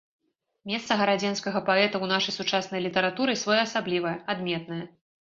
Месца гарадзенскага паэта ў нашай сучаснай літаратуры своеасаблівае, адметнае.